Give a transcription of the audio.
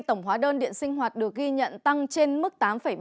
tổng hóa đơn điện sinh hoạt được ghi nhận tăng trên mức tám ba mươi